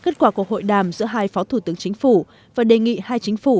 cuộc hội đàm giữa hai phó thủ tướng chính phủ và đề nghị hai chính phủ